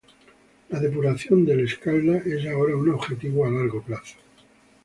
La depuración del Escalda es ahora un objetivo a largo plazo.